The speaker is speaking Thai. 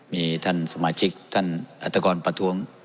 มีท่านสมาชิกท่านอัตกรประท้วง